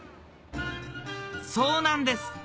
そうなんです！